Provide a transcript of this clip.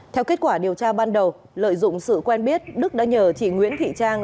theo kết quả điều tra ban đầu lợi dụng sự quen biết đức đã nhờ chị nguyễn thị trang